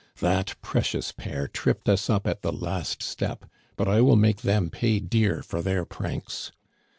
That precious pair tripped us up at the last step; but I will make them pay dear for their pranks.